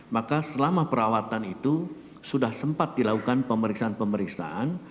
maka selama perawatan itu sudah sempat dilakukan pemeriksaan pemeriksaan